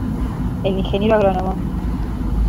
El Ing. Agr.